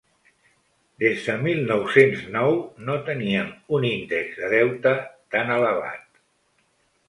Des de mil nou-cents nou no teníem un índex de deute tant elevat.